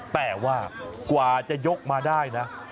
แต่ว่ากว่าจะยกมาได้นะ